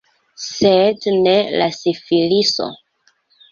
Sed ne la sifiliso.